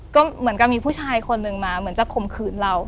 ก็เหมือนกับมีผู้ชายคนนึงมาเหมือนจะข่มขืนเรา